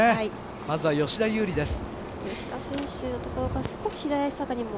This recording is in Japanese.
まずは吉田優利です。